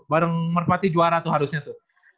bareng merpati juara tuh harusnya tuh